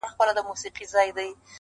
پر شنو ونو له پرواز څخه محروم سو -